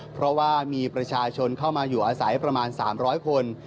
เพราะว่ามีประชาชนเข้ามาอยู่อาศัยประมาณ๓๐๐คน